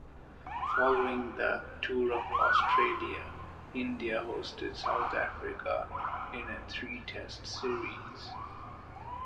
Following the tour of Australia, India hosted South Africa in a three-Test series.